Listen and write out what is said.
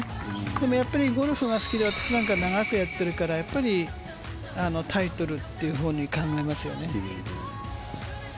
でも、ゴルフが好きで私なんか長くやっているからタイトルというふうに考えますよね。